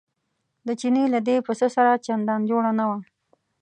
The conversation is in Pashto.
د چیني له دې پسه سره چندان جوړه نه وه.